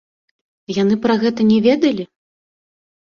Яны пра гэта не ведалі?